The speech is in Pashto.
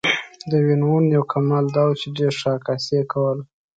د وین وون یو کمال دا و چې ډېره ښه عکاسي یې کوله.